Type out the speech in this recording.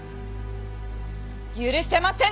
許せませぬ！